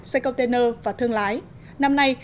xe container và thương lái năm nay